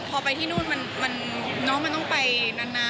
พอไปที่นู่นน้องมันต้องไปนาน